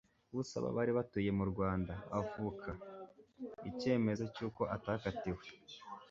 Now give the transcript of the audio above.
b'usaba bari batuye mu Rwanda avuka, Icyemezo cy'uko atakatiwe